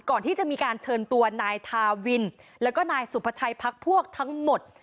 ก่อนที่จะมีการเชิญตัวนายทาวินแล้วก็นายสุภาชัยพักพวกทั้งหมด